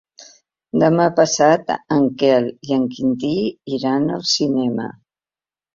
Demà passat en Quel i en Quintí iran al cinema.